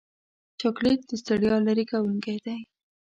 چاکلېټ د ستړیا لرې کوونکی دی.